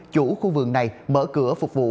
chủ khu vườn này mở cửa phục vụ